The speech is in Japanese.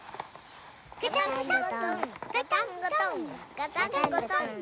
ガタンゴトンガタンゴトンガタンゴトン。